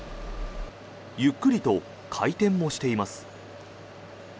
ゆっくりと回転もしています。